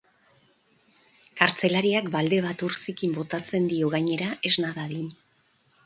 Kartzelariak balde bat ur zikin botatzen dio gainera, esna dadin.